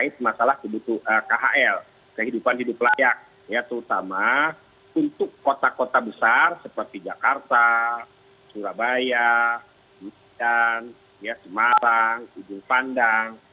jadi ini adalah masalah kebutuhan khl kehidupan hidup layak terutama untuk kota kota besar seperti jakarta surabaya jepang jepang jepang jepang